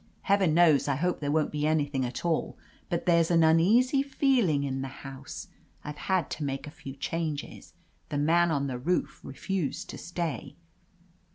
"Heaven knows, I hope there won't be an3rthing at all, but there's an uneasy feeling in the house — I've had to make a few changes. The man on the roof refused to stay."